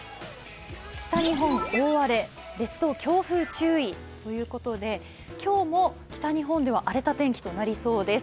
北日本大荒れ、列島強風注意ということで、今日も北日本では荒れた天気となりそうです。